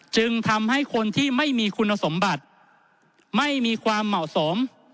จึงทำให้คนที่ไม่มีคุณสมบัติไม่มีความเหมาะสม